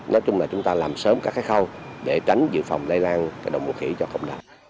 nói chung là chúng ta làm sớm các khâu để tránh dự phòng lây lan đồng mùa khỉ cho không đạt